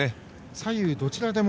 左右どちらでも。